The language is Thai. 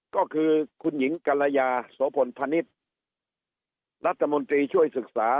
ก็คือคุณหญิงกรยาโสพลพนิษฐ์รัฐมนตรีช่วยศึกษา